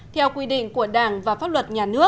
theo quy định của đảng và pháp luật nhà nước